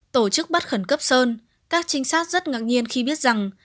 tổ chức bắt khẩn cấp sơn các trinh sát rất ngạc nhiên khi biết rằng